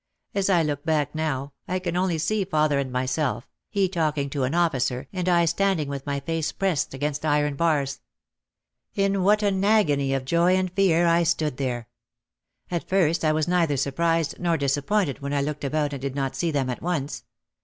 As I look back now I can only see father and myself, he talking to an officer and I standing with my face pressed against iron bars. In what an agony of joy and fear I stood there! At first I was neither surprised nor disappointed when I looked about and did not see them at once.